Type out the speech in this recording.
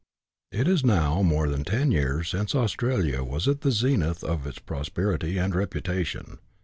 It is now more than ten years since Australia was at the zenith of its prosperity and reputation.